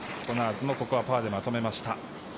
コナーズもここはパーでまとめました。